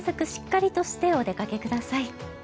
しっかりとしてお出かけください。